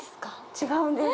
違うんです。